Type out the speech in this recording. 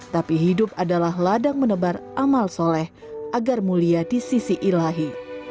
tapi hidup adalah ladang menebar amal soleh agar mulia di sisi ilahi